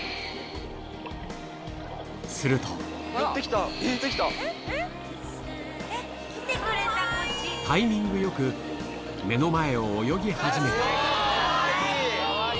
するとタイミングよく目の前を泳ぎ始めたかわいい！